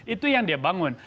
itu yang dia bangun